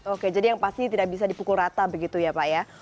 oke jadi yang pasti tidak bisa dipukul rata begitu ya pak ya